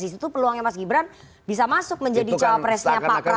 disitu peluangnya mas gibran bisa masuk menjadi cawapresnya pak prabowo kita dengar